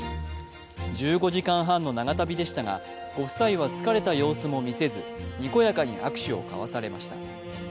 １５時間半の長旅でしたがご夫妻は疲れた様子も見せずにこやかに握手を交わされました。